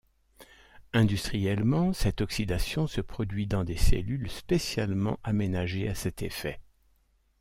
Industriellement, cette oxydation se produit dans des cellules spécialement aménagées à cet effet.